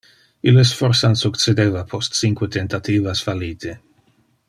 Illes forsan succedeva post cinque tentativas fallite